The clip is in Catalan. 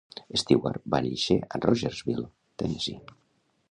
Stewart va néixer a Rogersville, Tennessee.